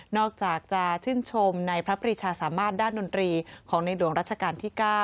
อกจากจะชื่นชมในพระปริชาสามารถด้านดนตรีของในหลวงรัชกาลที่๙